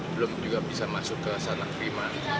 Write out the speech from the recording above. belum juga bisa masuk ke sana prima